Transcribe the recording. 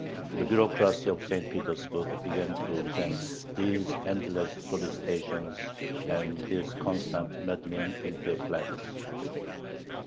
The bureaucracy of St. Petersburg began to resent these endless solicitations and this constant meddling with their plans.